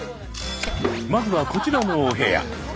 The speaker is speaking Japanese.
まずはこちらのお部屋。